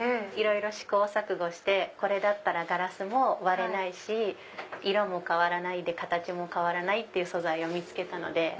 いろいろ試行錯誤してこれならガラスも割れないし色も変わらないで形も変わらない素材を見つけたので。